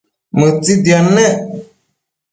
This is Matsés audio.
Mëtsitiad nec